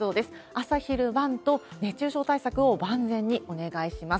朝、昼、晩と熱中症対策を万全にお願いします。